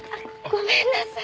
ごめんなさい！